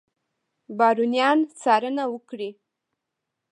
بارونیان څارنه وکړي.